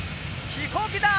ひこうきだ！